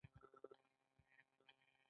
د سرې میاشتې ټولنه چا سره مرسته کوي؟